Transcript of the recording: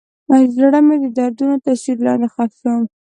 زړه مې د دردونو تر سیوري لاندې ښخ شو.